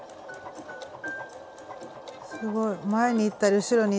すごい前に行ったり後ろに行ったり。